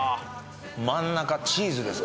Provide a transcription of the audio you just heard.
真ん中チーズですか？